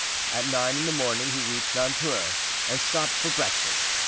At nine in the morning he reached Nanteuil and stopped for breakfast.